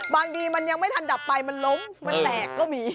บางทีมันยังไม่ทันดับไฟมันล้มมันแตกก็มี